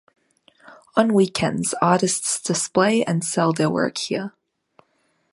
On weekends, artists display and sell their work here.